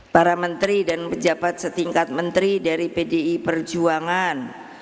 para menteri dan pejabat setingkat menteri dari pdi perjuangan